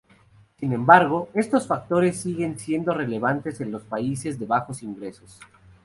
Sin embargo, estos factores siguen siendo relevantes en los países de bajos ingresos.